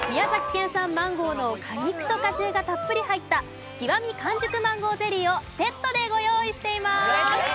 県産マンゴーの果肉と果汁がたっぷり入った極完熟マンゴーゼリーをセットでご用意しています。